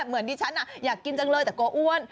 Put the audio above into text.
เหมือนดิฉันอยากกินจังเลยแต่กลัวอ้วน